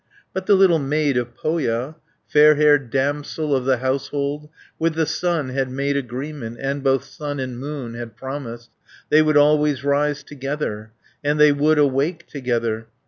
But the little maid of Pohja, Fair haired damsel of the household, With the sun had made agreement, And both sun and moon had promised, They would always rise together, And they would awake together.